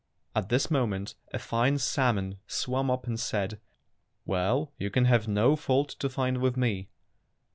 At this moment a fine salmon swam up and said, "Well, you can have no fault to find with me."